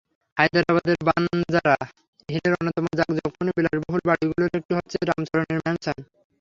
হায়দরাবাদের বানজারা হিলের অন্যতম জাঁকজমকপূর্ণ বিলাসবহুল বাড়িগুলোর একটি হচ্ছে রামচরণের ম্যানসন।